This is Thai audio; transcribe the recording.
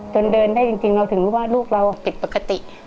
เดินได้จริงเราถึงรู้ว่าลูกเราผิดปกติ